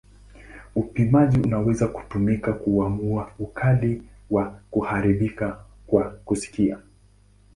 Upimaji unaweza kutumika kuamua ukali wa kuharibika kwa kusikia.